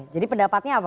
jadi pendapatnya apa